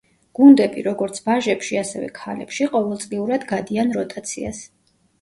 გუნდები, როგორც ვაჟებში, ასევე ქალებში ყოველწლიურად გადიან როტაციას.